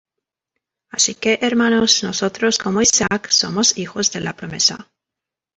Así que, hermanos, nosotros como Isaac somos hijos de la promesa.